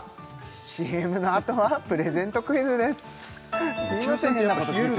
ＣＭのあとはプレゼントクイズですすいません